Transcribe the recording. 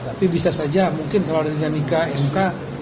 tapi bisa saja mungkin kalau ada dinamika mk